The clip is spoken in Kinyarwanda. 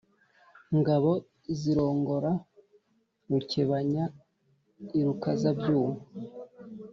ngabo zirongora rukebanya i rukaza-byuma,